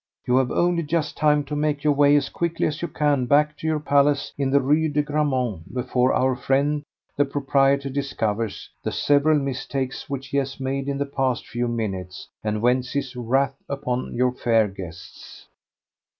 "You have only just time to make your way as quickly as you can back to your palace in the Rue de Grammont before our friend the proprietor discovers the several mistakes which he has made in the past few minutes and vents his wrath upon your fair guests."